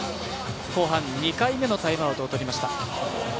後半２回目のタイムアウトをとりました。